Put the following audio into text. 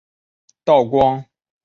道光十六年任江苏嘉定县知县。